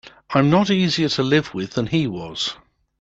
I'm not easier to live with than he was.